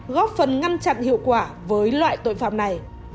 góp phần ngăn chặn hiệu quả với loại tội phạm này